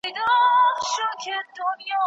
د واک لیږد په سوله ایزه توګه ترسره کیده.